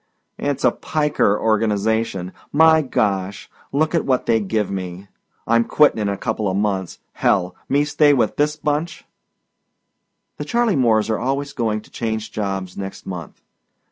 "It's a piker organization. My Gosh! Lookit what they give me. I'm quittin' in a coupla months. Hell! Me stay with this bunch!" The Charley Moores are always going to change jobs next month.